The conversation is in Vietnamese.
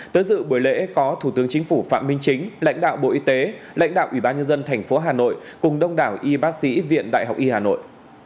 tới dự buổi lễ có thủ tướng chính phủ phạm minh chính lãnh đạo bộ y tế lãnh đạo ủy ban nhân dân thành phố hà nội cùng đông đảo y bác sĩ viện đại học y hà nội